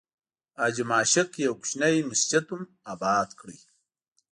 حاجي ماشک یو کوچنی مسجد هم آباد کړی.